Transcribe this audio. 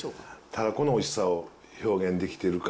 たらこのおいしさを表現できてるか。